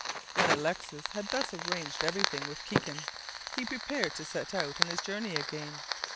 When Alexis had thus arranged every thing with Kikin, he prepared to set out on his journey again.